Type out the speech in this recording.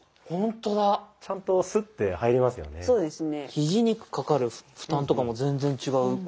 ひじにかかる負担とかも全然違う。